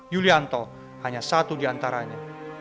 yulianto hanya satu di antaranya